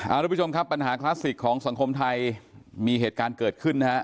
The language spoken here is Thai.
ทุกผู้ชมครับปัญหาคลาสสิกของสังคมไทยมีเหตุการณ์เกิดขึ้นนะฮะ